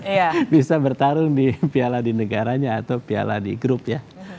bisa bertarung di piala di negaranya atau piala di grup ya